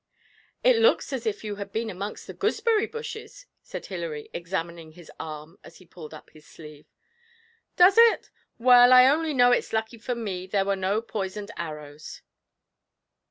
'It looks as if you had been amongst the gooseberry bushes,' said Hilary, examining his arm as he pulled up his sleeve. 'Does it? Well, I only know it's lucky for me there were no poisoned arrows.'